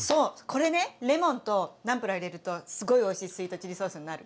これねレモンとナンプラー入れるとすごいおいしいスイートチリソースになる。